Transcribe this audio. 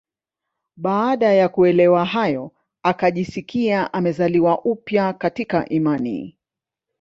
Baada ya kuelewa hayo akajisikia amezaliwa upya katika imani